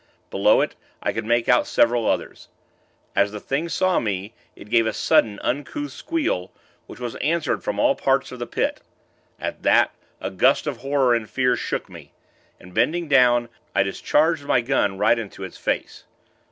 Below it, I could make out several others. As the Thing saw me, it gave a sudden, uncouth squeal, which was answered from all parts of the Pit. At that, a gust of horror and fear took me, and, bending down, I discharged my gun right into its face.